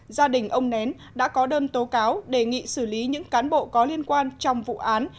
gia đình ông nén đã có đơn tố cáo đề nghị xử lý những cán bộ có liên quan trong vụ án